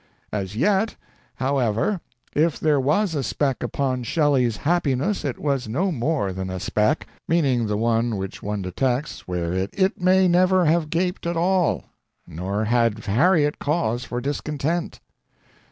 "As yet, however, if there was a speck upon Shelley's happiness it was no more than a speck" meaning the one which one detects where "it may never have gaped at all" "nor had Harriet cause for discontent."